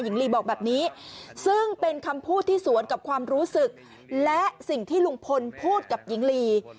หญิงลีบอกแบบนี้ซึ่งเป็นคำพูดที่สวนกับความรู้สึกและสิ่งที่ลุงพลพูดกับหญิงลี